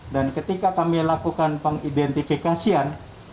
dan ketika kami lakukan pengidentifikasian